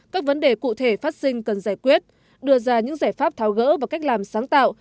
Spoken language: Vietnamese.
các vấn đề cụ thể phát sinh cần giải quyết đưa ra những giải pháp tháo gỡ và cách làm sáng tạo